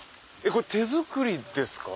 これ手作りですか？